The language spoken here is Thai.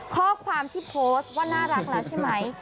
ข้อความที่โพสต์ว่าน่ารักแล้วใช่ไหม